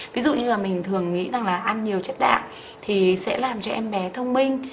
ví dụ như là mình thường nghĩ rằng là ăn nhiều chất đạm thì sẽ làm cho em bé thông minh